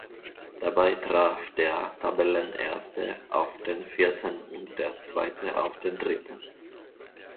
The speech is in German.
Dabei traf der Tabellenerste auf den Vierten und der Zweite auf den Dritten.